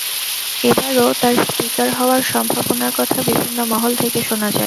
এবারও তাঁর স্পিকার হওয়ার সম্ভাবনার কথা বিভিন্ন মহল থেকে শোনা যায়।